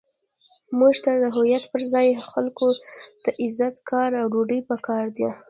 موږ ته د هویت پر ځای خلکو ته عزت، کار، او ډوډۍ پکار ده.